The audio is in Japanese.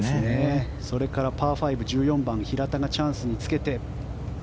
それからパー５、１４番平田がチャンスにつけて。